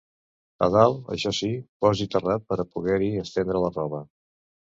A dalt, això sí, posi terrat pera poguer-hi estendre la roba